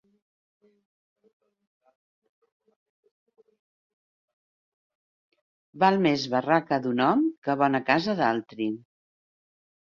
Val més barraca d'un hom que bona casa d'altri.